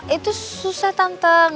itu susah tante